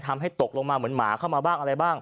ตกลงมาเหมือนหมาเข้ามาบ้างอะไรบ้าง